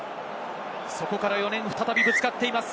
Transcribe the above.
そこから４年再びぶつかっています。